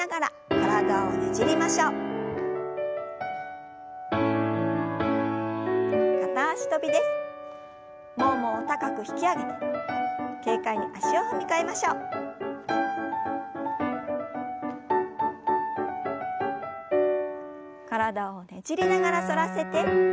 体をねじりながら反らせて斜め下へ。